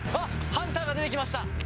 ハンターが出てきました。